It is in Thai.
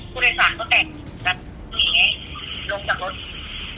ผู้ใดศัพท์ก็แบบกระหนิงให้ลงจากรถ